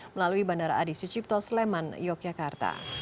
melalui bandara adi sucipto sleman yogyakarta